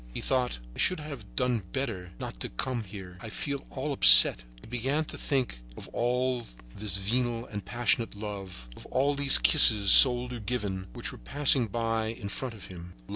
He thought: "I should have done better not to come here; I feel all upset." He began to think of all this venal or passionate love, of all these kisses, sold or given, which were passing by in front of him.